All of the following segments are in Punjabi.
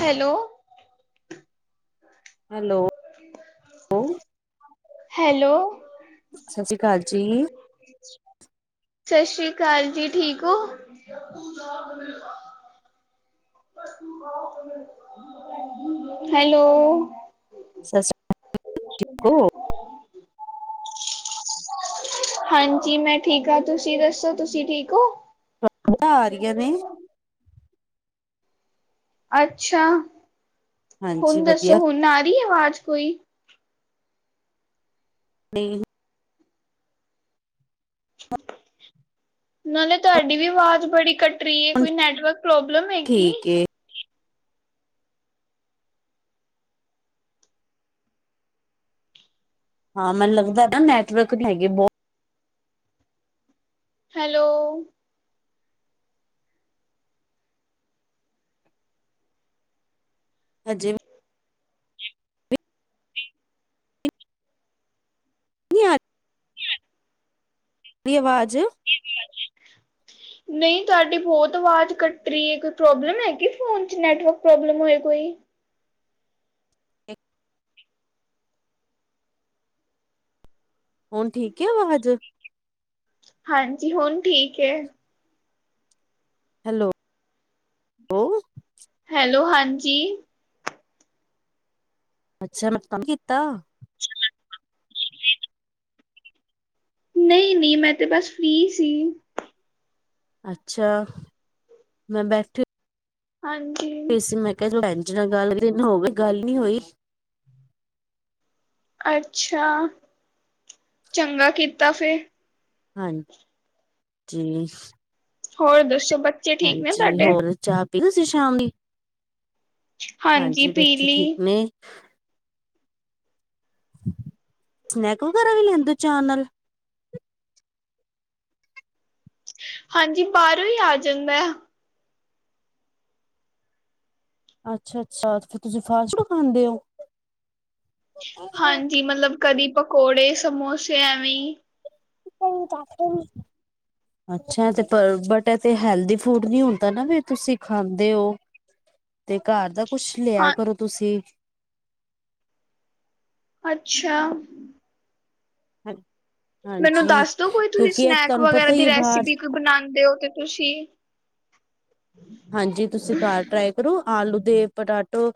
ਹੈਲੋ। ਹੈਲੋ। ਹੈਲੋ। ਸਤਿ ਸ਼੍ਰੀ ਅਕਾਲ ਜੀ। ਸ਼ਸ਼ਿ ਅਕਾਲ ਜੀ, ਠੀਕ ਹੋ? [inaudible] ਹੈਲੋ। ਸਤਿ ਸ਼੍ਰੀ ਅ ਕਾ ਲ ਠੀਕ ਹੋ। [inaudible] ਹਾਂਜੀ, ਮੈਂ ਠੀਕ ਆ, ਤੁਸੀਂ ਦੱਸੋਂ ਤੁਸੀਂ ਠੀਕ ਹੋ? ਆ ਜਾ ਰਹੀਆਂ ਨੇ? ਅੱਛਾ, ਹਾਂਜੀ ਹੁਣ ਦੱਸੋਂ ਵਧੀਆ ਹੁਣ ਆ ਰਹੀ ਆਵਾਜ਼ ਕੋਈ? ਨਈ। ਨਾਲੇ ਤੁਹਾਡੀ ਵੀ ਆਵਾਜ਼ ਬੜੀ ਕੱਟ ਟਰੀ ਐ, ਹੁਣ ਕੋਈ ਨੈਟਵਰਕ ਪ੍ਰੋਬਲਮ ਐ ਕੀ? ਠੀਕ ਏ ਹਾਂ ਮੈਨੂੰ ਲੱਗਦਾ ਨਾ ਨੈਟਵਰਕ ਹੈਗੀ ਬਹੁਤ ਹੈਲੋ। ਹਜੇ ਵੀ। ਨੀ ਆ ਰੀ ਆਵਾਜ਼। [inaudible] ਨਹੀਂ ਤੁਹਾਡੀ ਬਹੁਤ ਆਵਾਜ਼ ਕੱਟ ਰਹੀ ਐ, ਕੋਈ ਪ੍ਰੋਬਲਮ ਹੈਗੀ ਫੋਨ ਚ ਨੈਟਵਰਕ ਪ੍ਰੋਬਲਮ ਹੋਏ ਕੋਈ। ਹੁਣ ਠੀਕ ਏ ਆਵਾਜ਼? ਹਾਂਜੀ, ਹੁਣ ਠੀਕ ਏ। ਹੈ ਲੋ ਉਹ। ਹੈਲੋ ਹਾਂਜੀ। ਅੱਛਾ ਮੈਂ ਕੰਮ ਕੀਤਾ। ਨਈ-ਨਈ ਮੈਂ ਤੇ ਬਸ ਫ੍ਰਰੀ ਸੀ। ਅੱਛਾ, ਮੈਂ ਬੈਠ ਹਾਂਜੀ। [unintelligible] ਮੈਂ ਕਿਹਾ ਭੈਣ ਜੀ ਨਾਲ ਗੱਲ ਕਈ ਦਿਨ ਹੋਗੇ ਗੱਲ ਨੀ ਹੋਈ। ਅੱਛਾ, ਚੰਗਾ ਕੀਤਾ ਫੇਰ ਹਾਂ ਜੀ। ਹੋਰ ਦੱਸੋ ਬ ਹਾਂਜੀ ਹੋਰ ਚਾਹ ਪੀਲੀ ਤੁਸੀਂ ਸ਼ਾਮ ਦੀ? ਹਾਂਜੀ ਪੀਲੀ, [inaudible] ਸਨੈਕ ਵਗੈਰਾ ਵੀ ਲੈਂਦੇ ਚਾਅ ਨਾਲ? ਹਾਂਜੀ ਬਾਰੋਂ ਈ ਆ ਜਾਂਦਾ। ਅੱਛਾ-ਅੱਛਾ ਤੇ ਤੁਸੀ ਫਾਸਟ-ਫੂਡ ਖਾਂਦੇ ਔ? ਹਾਂਜੀ ਮਤਲਬ ਕਦੀ ਪਕੌੜੇ ਸਮੋਸੇ ਐਵੇ ਈ, [inaudible] [inaudible] ਅੱਛਾ ਤੇ ਪਰ ਬਟ ਇਹ ਤੇ ਹੈਲਦੀ ਫੂਡ ਨੀ ਹੁੰਦਾ ਨਾ ਵੀ ਤੁਸੀਂ ਖਾਂਦੇ ਔ, ਤੇ ਘਰ ਦਾ ਕੁਛ ਲਿਆ ਹਾਂ ਕਰੋ ਤੁਸੀਂ, ਅੱਛਾ, [unintelligible] ਮੈਨੂੰ ਦੱਸ ਦੋ ਕੋਈ ਤੁਸੀਂ ਕਿਉਂਕਿ ਇਹ ਸਨੈਕ ਤੁਹਾਨੂੰ ਵਗੈਰਾ ਪਤਾ ਹੀ ਦੀ ਹੈ ਬਾਹਰ ਰੈਸਿਪੀ ਕੋਈ ਬਣਾਦੇ ਔ ਤੇ ਤੁਸੀਂ ਹਾਂਜੀ ਤੁਸੀਂ ਘਰ ਟਰਾਈ ਕਰੋ ਆਲੂ ਦੇ ਪਟਾਟੋ,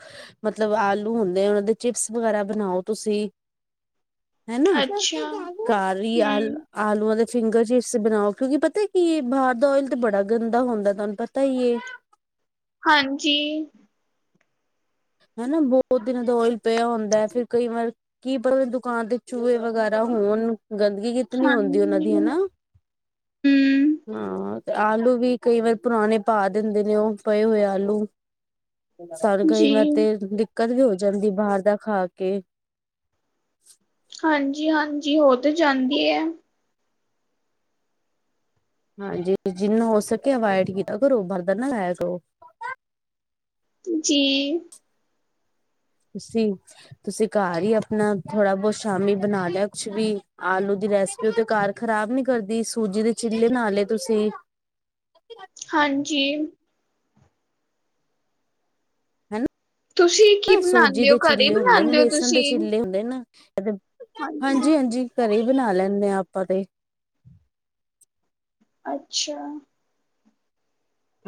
ਮਤਲਬ ਆਲੂ ਹੁੰਦੇ ਆ ਉਨਾਂ ਦੇ ਚਿਪਸ ਵਗੈਰਾ ਬਣਾਓ ਤੁਸੀਂ ਹੈ ਨਾ ਅੱਛਾ ਘਰ ਈ ਆ ਹਮ ਆਲੂਆਂ ਦੇ ਫਿੰਗਰ ਚਿਪਸ ਬਣਾਓ ਕਿਉਂਕਿ ਪਤਾ ਕੀ ਐ ਬਾਹਰ ਦਾ ਔਇਲ ਤਾਂ ਬੜਾ ਗੰਦਾ ਹੁੰਦਾ ਐ ਤੁਹਾਨੂੰ ਪਤਾ ਈ ਐ। ਹਾਂਜੀ, ਹਨਾ ਬਹੁਤ ਦਿਨਾਂ ਦਾ ਔਈਲ ਪਿਆ ਹੁੰਦਾ ਫੇਰ ਕਈ ਵਾਰ ਕੀ ਪਤਾ ਦੁਕਾਨ ਤੇ ਚੂਹੇ ਵਗੈਰਾ ਹੋਣ ਗੰਦਗੀ ਕਿਤਨੀ ਹੁੰਦੀ ਉਨਾਂ ਦੀ ਹਨਾ। ਹੂੰ, ਹੂੰ ਤੇ ਆਲੂ ਵੀ ਕਈ ਵਾਰ ਪੁਰਾਣੇ ਪਾ ਦਿੰਦੇ ਨੇ ਉਹ ਪਏ ਹੋਏ ਆਲੂ ਸਾਨੂੰ ਕਈ ਜੀ ਵਾਰ ਤੇ ਦਿੱਕਤ ਵੀ ਹੋ ਜਾਂਦੀ ਐ ਬਾਹਰ ਦਾ ਖਾ ਕੇ, ਹਾਂਜੀ-ਹਾਂਜੀ ਹੋ ਤੇ ਜਾਂਦੀ ਐ। ਹਾਂਜੀ ਜਿੰਨਾ ਹੋ ਸਕੇ ਅਵਾਇਡ ਕਿਆ ਕਰੋਂ ਬਰਦਨ ਨਾ ਲਾਇਆ ਕਰੋ। ਜੀ, ਤੁਸੀ ਤੁਸੀਂ ਘਰ ਹੀ ਆਪਣਾ ਥੋੜਾ ਬਹੁਤ ਸ਼ਾਮੀ ਬਣਾ ਲਿਆ ਕੁਛ ਵੀ ਆਲੂ ਦੀ ਰੈਸਪ ਤੇ ਉਹ ਤੇ ਘਰ ਖ਼ਰਾਬ ਨੀ ਕਰਦੀ ਸੂਜੀ ਦੇ ਚਿੱਲੇ ਬਣਾਲੇ ਤੁਸੀਂ ਹਾਂਜੀ, ਹਨਾ ਤੁਸੀਂ ਕੀ ਨਾ ਸੂਜੀ ਬਣਾਉਂਦੇ ਹੋ ਦੇ ਘਰੇ ਚਿੱਲੇ ਹੁੰਦੇ ਨੇ ਬਣਾਉਂਦੇ ਹੋ ਬੇਸਣ ਦੇ ਤੁਸੀਂ ਚਿੱਲੇ ਹੁੰਦੇ ਨਾ, ਹਾਂਜੀ ਹਾਂਜੀ-ਹਾਂਜੀ ਘਰੇ ਹੀ ਬਣਾ ਲੈਂਨੇ ਆ ਆਪਾਂ ਤੇ, ਅੱਛਾ,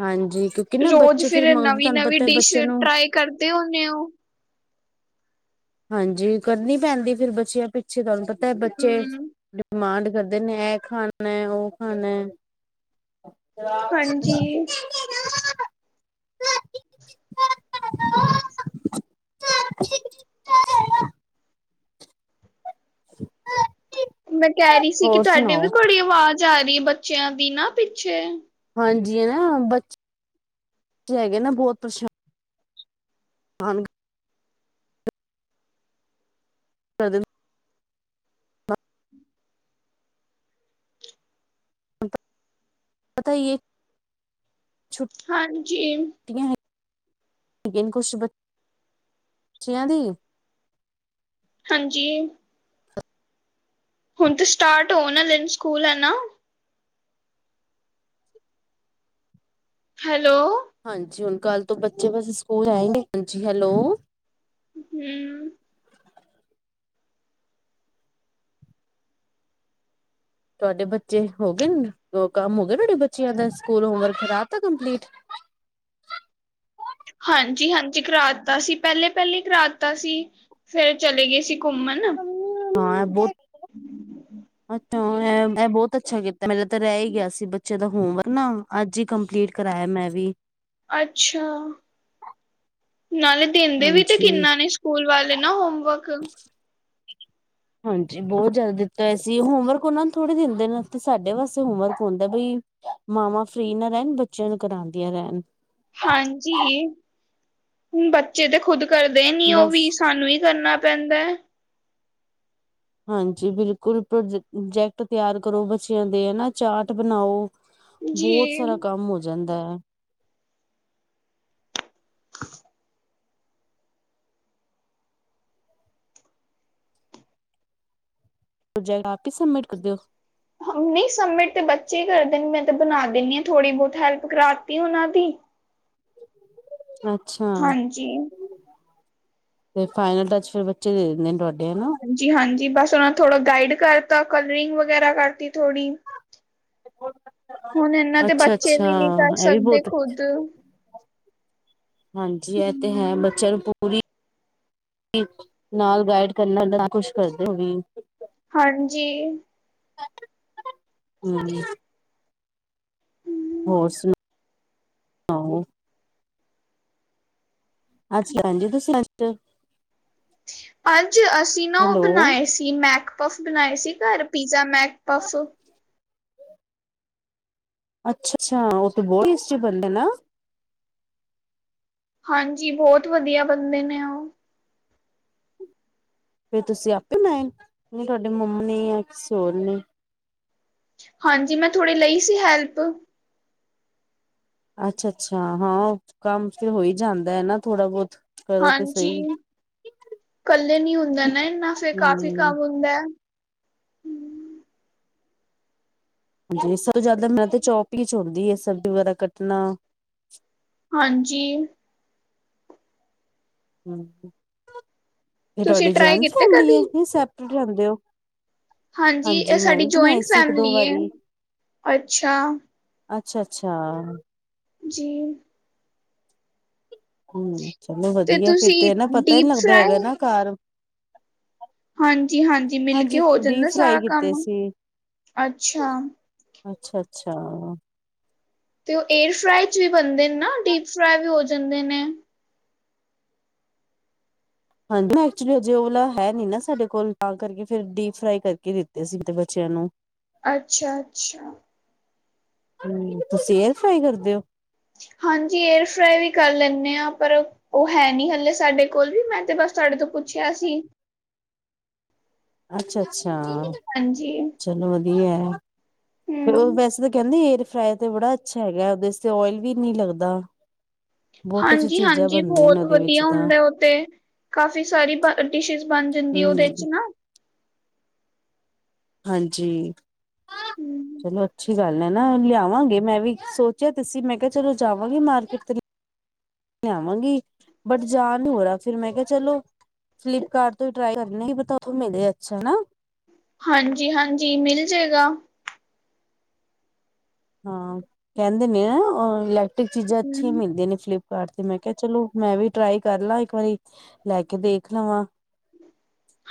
ਹਾਂਜੀ ਨਾ ਰੋਜ਼ ਬੱਚੇ ਫੇਰ ਫਿਰ ਮੰਗਦੇ ਤੁਹਾਨੂੰ ਨਵੀਂ-ਨਵੀਂ ਪਤਾ ਡਿਸ਼ ਬੱਚੇ ਨੂੰ ਟਰਾਈ ਕਰਦੇ ਹੁਨੇ ਔ। ਹਾਂਜੀ ਕਰਨੀ ਪੈਂਦੀ ਫੇਿਰ ਬੱਚਿਆਂ ਪਿੱਛੇ ਤੁਹਾਨੂੰ ਪਤਾ ਬੱਚੇ ਹਮ ਡਿਮਾਂਡ ਕਰਦੇ ਨੇ ਇਹ ਖਾਣਾ ਉਹ ਖਾਣਾ ਅੱਛਾ, ਹਾਂਜੀ [unintelligible] [unintelligible] ਹ ਠੀਕ [unintelligible] ਮੈਂ ਕਹਿ ਰਹੀ ਸੀ ਕਿ ਹੋਰ ਤੁਹਾਡੀ ਵੀ ਸੁਣਾਓ ਘੜੀ ਆਵਾਜ਼ ਆ ਰਹੀ ਹੈ, ਬੱਚਿਆਂ ਦੀ ਨਾ ਪਿੱਛੇ ਹਾਂਜੀ ਨਾ ਬੇ ਹੈਗੇ ਨਾ ਬਹੁਤ ਪਰੇ ਮਾਨ ਹ ਪਤਾ ਇਹ ਛੁ ਹਾਂਜੀ ਕੁਛ ਬੱਚਿਆਂ ਦੀ ਹਾਂਜੀ ਹੁਣ ਤੇ ਸਟਾਰਟ ਟੋਨਲਨ ਸਕੂਲ ਹੈ ਨਾ ਹੈਲੋ ਹਾਂਜੀ ਹੁਣ ਕੱਲ ਤੋਂ ਬੱਚੇ ਬਸ ਸਕੂਲ ਆ ਹਾਂਜੀ ਹੈਲੋ ਹਮ ਤੁਹਾਡੇ ਬੱਚੇ ਹੋ ਗਏ ਕੰਮ ਹੋ ਗਏ ਤੁਹਾਡੇ ਬੱਚਿਆਂ ਦਾ ਸਕੂਲ ਹੋਮਵਰਕ ਰਾਹ ਤਾ ਕੰਪਲੀਟ ਹਾਂਜੀ ਹਾਂਜੀ ਕਰਾਤਾ ਸੀ ਪਹਿਲੇ ਪਹਿਲੇ ਕਰਾਤਾ ਸੀ ਫੇਰ ਚਲੇ ਗਏ ਸੀ ਘੁੰਮਣ ਹਾਂ ਬਹੁਤ ਹਮ ਅੱਛਾ ਮੈਂ ਬਹੁਤ ਅੱਛਾ ਕੀਤਾ ਮੇਰੇ ਤਾਂ ਰਹਿ ਹੀ ਗਿਆ ਸੀ ਬੱਚਿਆਂ ਦਾ ਹੋਮਵਰਕ ਨਾ ਅੱਜ ਹੀ ਕੰਪਲੀਟ ਕਰਵਾਇਆ ਮੈਂ ਵੀ ਅੱਛਾ ਨਾਲੇ ਦਿੰਦੇ ਵੀ ਤੇ ਹਾਂਜੀ ਕਿੰਨਾ ਨੇ ਸਕੂਲ ਵਾਲੇ ਨਾ ਹੋਮਵਰਕ ਹਾਂਜੀ ਬਹੁਤ ਜ਼ਿਆਦਾ ਦਿੱਤਾ ਸੀ ਹੋਮਵਰਕ ਉਹਨਾਂ ਨੂੰ ਥੋੜੇ ਦਿੰਦੇ ਨੇ ਤੇ ਸਾਡੇ ਵਾਸਤੇ ਹੋਮਵਰਕ ਹੁੰਦਾ ਬਈ ਮਾਵਾਂ ਫਰੀ ਨਾ ਰਹਿਣ ਬੱਚਿਆਂ ਨੂੰ ਕਰਾਉਂਦੀਆਂ ਰਹਿਣ ਹਾਂਜੀ ਬੱਚੇ ਤੇ ਖੁਦ ਕਰਦੇ ਨੀ ਉਹ ਬਸ ਵੀ ਸਾਨੂੰ ਹੀ ਕਰਨਾ ਦੇ ਹਾਂਜੀ ਬਿਲਕੁਲ ਪ੍ਰੋ ਪ੍ਰੋਜੈਕਟ ਤਿਆਰ ਕਰੋ ਬੱਚਿਆਂ ਦੇ ਹਨਾ ਚਾਰਟ ਬਣਾਓ ਬਹੁਤ ਜੀ। ਸਾਰਾ ਕੰਮ ਹੋ ਜਾਂਦਾ ਹੈ ਹ ਪ੍ਰੋਜੈਕਟ ਆਪਾ ਹੀ ਸਬਮਿਟ ਕਰ ਦਿਓ ਨਹੀਂ ਸਬਮਿਟ ਤਾਂ ਬੱਚੇ ਹੀ ਕਰਦੇ ਨੇ ਮੈਂ ਤਾਂ ਬਣਾ ਦਿੰਦੀ ਹਾਂ ਥੋੜ੍ਹੀ ਬਹੁਤ ਹੈਲਪ ਕਰਾਤੀ ਉਹਨਾਂ ਦੀ ਅੱਛਾ ਹਾਂਜੀ। ਤੇ ਫਾਈਨਲ ਟੱਚ ਫੇਿਰ ਬੱਚੇ ਦੇ ਦਿੰਦੇ ਨੇ ਤੁਹਾਡੇ ਹਨਾ ਜੀ ਹਾਂਜੀ ਬਸ ਉਹ ਥੋੜਾ ਗਾਈਡ ਕਰਤਾ ਕਲਰਿੰਗ ਵਗੈਰਾ ਕਰਤੀ ਥੋੜੀ ਹੁਣ ਇਹਨਾਂ ਦੇ ਅੱਛਾ ਬੱਚੇ ਅੱਛਾ ਵੀ ਨਹੀਂੀ ਕਰ ਇਹ ਵੀ ਸਕਦੇ ਬਹੁਤ ਖੁਦ ਅੱਛਾ। ਹਾਂਜੀ ਇਹ ਤੇ ਹੈ ਹਮ ਬੱਚਿਆਂ ਨੂੰ ਪਰੀ ਨਾਲ ਗਾਈਡ ਕਰਨਾ ਨਾ ਖੁਸ਼ ਕਰਦੇ ਹੋ ਹਾਂਜੀ ਹਮ। ਹਮ। ਹੋਰ ਸੁਣਾਔ? ਅੱਜੀ [unintelligible] ਤੁਸੀਂ [inaudible] ਅੱਜ ਅਸੀਂ ਨਾ ਉਹ ਹੈਲੋ ਬਣਾਏ ਸੀ- ਤੀਨ ਮੈਕ ਪਫ ਬਣਾਏ ਸੀ ਘਰ ਪੀਜ਼ਾ ਮੈਕ ਪਫ- ਅੱਛਾ-ਅੱਛਾ, ਉਹ ਤੇ ਬਹੁਤ ਟੇਸਟੀ ਬਣਦੇ ਨਾ? ਹਾਂਜੀ ਬਹੁਤ ਵਧੀਆ ਬੰਦੇ ਨੇ ਉਹ। ਫੇਰ ਤੁਸੀਂ ਆਪੇ ਬਣਾਏ ਤੁਹਾਡੇ ਮੰਮ ਨੇ ਜਾਂ ਕਿਸੇ ਹੋਰ ਨੇ? ਹਾਂਜੀ, ਮੈਂ ਥੋੜ੍ਹੀ ਲਈ ਸੀ ਹੈਲਪ ਅੱਛਾ-ਅੱਛਾ, ਹਾਂ ਕੰਮ ਫਿਰ ਹੋਈ ਜਾਂਦਾ ਹੈ ਨਾ ਥੋੜਾ ਬਹੁਤ ਕਰੋ ਤੇ ਹਾਂਜੀ, ਸਹੀ ਇਕੱਲੇ ਨੀ ਹੁੰਦਾ ਨਾ ਇਨਾ ਫੇਿਰ ਕਾਫ਼ੀ ਹਮ ਕੰਮ ਹੁੰਦੇ। ਹਾਂਜੀ, ਸਭ ਤੋਂ ਜ਼ਿਆਦਾ ਮੈਂ ਤਾਂ ਚੌਪ ਹੀ ਚ ਹੁੰਦੀ ਹੈ ਸਬਜ਼ੀ ਵਗੈਰਾ ਕੱਟਣਾ ਹਾਂਜੀ। ਤੇ ਤੁਸੀਂ ਤੁਹਾਡੀ ਟਰਾਈ ਜੁਆਇੰਟ ਕੀਤੇ ਫੈਮਿਲੀ ਹੈ, ਕਦੀ ਯਾਂ ਸੈਪਰੇਟ ਰਹਿੰਦੇ ਹੋ? ਹਾਂਜੀ, ਇਹ ਮੈਂ ਵੀ ਸਾਡੀ ਬਣਾਈ ਜੋਆਇੰਟ ਸੀ ਇੱਕ ਦੋ ਫੈਮਲੀ ਏ। ਵਾਰੀ ਅੱਛਾ! ਅੱਛਾ, ਅੱਛਾ। ਜੀ। ਹਮ, ਚਲੋ ਤੇ ਵਧੀਆ ਫਿਰ ਤੁਸੀਂ ਤੇ ਇਹ ਨਾ ਪਤਾ ਹੀ ਡੀਪ ਨਹੀਂ ਲੱਗਦਾ ਹੈਗਾ ਫਰਾਈ ਨਾ ਘਰ ਹਾਂਜੀ, ਹਾਂਜੀ ਮਿਲ ਕੇ ਹੋ ਡੀਪ ਜਾਂਦਾ ਫਰਾਈ ਸਾਰਾ ਕੰਮ ਕੀਤੇ ਸੀ ਅੱਛਾ। ਅੱਛਾ-ਅੱਛਾ। ਤੇ ਉਹ ਏਰ ਫਰਾਈ ਚ ਵੀ ਬਣਦੇ ਨੇ ਨਾ ਡੀਪ ਫਰਾਈ ਵੀ ਹੋ ਜਾਂਦੇ ਨੇ? ਹਾਂਜੀ, ਮ ਐਕਚੁਲੀ ਹਜੇ ਉਹ ਵਾਲਾ ਹੈ ਨੀ ਨਾ ਸਾਡੇ ਕੋਲ ਤਾਂ ਕਰਕੇ ਫਿਰ ਡੀਪ ਫਰਾਈ ਕਰਕੇ ਦਿੱਤੇ ਤੇ ਅਸੀਂ ਤੇ ਬੱਚਿਆਂ ਨੂੰ ਅੱਛਾ-ਅੱਛਾ। ਹਮ, ਤੁਸੀਂ ਏਰਫਰਾਈ ਕਰਦੇ ਹੋ? ਹਾਂਜੀ, ਏਅਰ ਫਰਾਈ ਵੀ ਕਰ ਲੈਂਨੇ ਹਾਂ, ਪਰ ਉਹ ਹੈ ਨੀ ਹਲੇ ਸਾਡੇ ਕੋਲ ਵੀ ਮੈਂ ਤੇ ਬਸ ਤੁਹਾਡੇ ਤੋਂ ਪੁੱਛਿਆ ਸੀ। ਅੱਛਾ-ਅੱਛਾ। ਹਾਂਜੀ। ਚਲੋ ਵਧੀਆ ਏ, ਫਿਰ ਉਹ ਹੂੰ ਵੈਸੇ ਤਾਂ ਕਹਿੰਦੇ ਏਅਰ ਤੇ ਬੜਾ ਅੱਛਾ ਹੈਗਾ ਉਹਦੇ ਤੇ ਓਇਲ ਵੀ ਨੀ ਲੱਗਦਾ। ਬਹੁਤ ਅੱਛੀ ਚੀਜ਼ਾਂ ਹਾਂਜੀ-ਹਾਂਜੀ, ਬਣਦੀਆਂ ਨੇ ਬਹੁਤ ਉਹਦੇ ਵਿੱਚ ਵਧੀਆ ਤਾਂ ਹੁੰਦਾ ਉਹ ਤੇ ਕਾਫੀ ਸਾਰੀ ਬ ਡਿਸ਼ਿਸ ਬਣ ਜਾਂਦੀ ਉਹਦੇ ਚ ਹੂੰ ਨਾ। ਹਾਂਜੀ ਹੂੰ, ਚਲੋ ਅੱਛੀ ਗੱਲ ਹੈ ਨਾ ਲਿਆਵਾਂਗੇ ਮੈਂ ਵੀ ਸੋਚਿਆ ਸੀਂ, ਮੈਂ ਕਿਹਾ ਚਲੋ ਜਾਵਾਂਗੇ ਮਾਰਕੀਟ ਤੇ ਲਿਆਵਾਂਗੀ ਬਟ ਜਾ ਨਹੀਂ ਹੋ ਰਿਹਾ ਫਿਰ ਮੈਂ ਕਿਹਾ ਚਲੋ ਫਲਿੱਪਕਾਰਟ ਤੋਂ ਹੀ ਟਰਾਈ ਕਰਨੇ ਕੀ ਪੱਤਾ ਉਥੋਂ ਮਿਲੇ ਅੱਛਾ ਹਨਾ? ਹਾਂਜੀ, ਹਾਂਜੀ ਮਿਲ ਜੇ ਗਾ। ਹਾਂ ਕਹਿੰਦੇ ਨੇ ਇਲੈਕਟ੍ਰਿਕ ਚੀਜ਼ਾਂ ਅੱਛੀਆਂ ਹੂੰ ਮਿਲਦੀਆਂ ਨੇ ਫਲਿੱਪ ਕਾਰਟ ਤੇ ਮੈਂ ਕਿਹਾ ਚਲੋ ਮੈਂ ਵੀ ਟਰਾਈ ਕਰ ਲਾਂ, ਇੱਕ ਵਾਰੀ ਲੈ ਕੇ ਦੇਖ ਲਵਾਂ।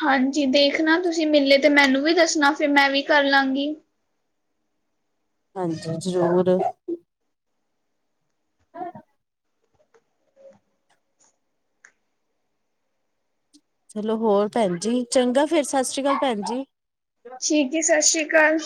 ਹਾਂਜੀ ਦੇਖਣਾ ਤੁਸੀਂ ਮਿਲੇ ਤੇ ਮੈਨੂੰ ਵੀ ਦੱਸਣਾ ਫਿਰ ਮੈਂ ਵੀ ਕਰ ਲਾਂਗੀ। ਹਾਂਜੀ ਜ਼ਰੂਰ। ਹਾਂ [unintelligible] ਚਲੋ ਹੋਰ ਭੈਣਜੀ ਚੰਗਾ ਫੇਰ ਸਤਿ ਸ੍ਰੀ ਅਕਾਲ ਭੈਣ ਜੀ। ਠੀਕ ਏ ਸਤਿ ਸ਼੍ਰੀ ਅਕਾਲ।